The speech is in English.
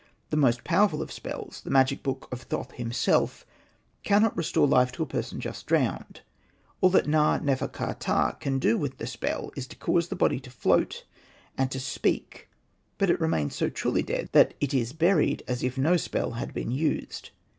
The most powerful of spells, the magic book of Thoth himself, cannot restore life to a person just drowned. All that Na. nefer.ka.ptah can do with the spell is to cause the body to float and to speak, but it remains so truly dead that it is buried as if no spell had been used.